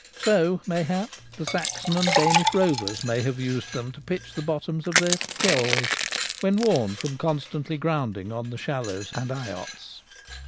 So, mayhap, the Saxon and Danish rovers may have used them to pitch the bottoms of their ' ceols ' when worn from constantly grounding on the shallows and eyots.